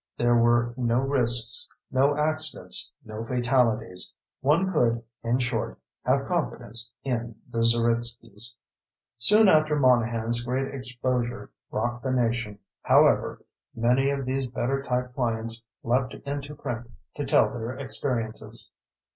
There were no risks, no accidents, no fatalities. One could, in short, have confidence in the Zeritskys. Soon after Monahan's great exposure rocked the nation, however, many of these better type clients leaped into print to tell their experiences.